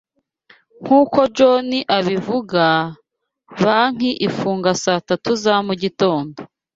Nk’uko John abivuga, banki ifunga saa tatu za mu gitondo.